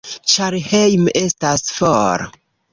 Ĉar hejme estas for